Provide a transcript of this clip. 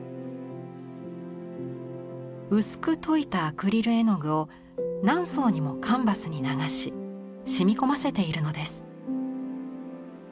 薄く溶いたアクリル絵の具を何層にもカンバスに流ししみ込ませているのです。